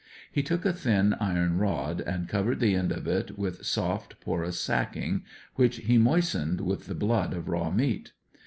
He took a thin iron rod, and covered the end of it with soft, porous sacking, which he moistened with the blood of raw meat.